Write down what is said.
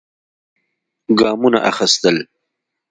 ګامونه اخېستل.